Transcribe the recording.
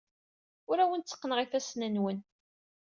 Ur awen-tteqqneɣ ifassen-nwen.